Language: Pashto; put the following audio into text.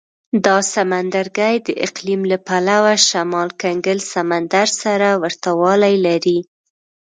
دا سمندرګي د اقلیم له پلوه شمال کنګل سمندر سره ورته والی لري.